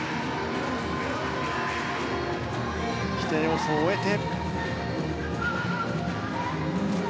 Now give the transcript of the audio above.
規定要素を終えて。